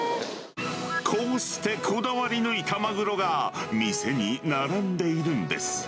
こうしてこだわり抜いたマグロが、店に並んでいるんです。